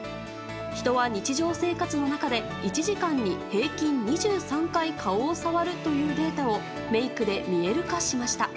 人は日常生活の中で１時間に平均２３回顔を触るというデータをメイクで見える化しました。